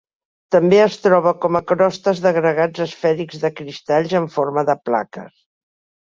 També es troba com a crostes d'agregats esfèrics de cristalls en forma de plaques.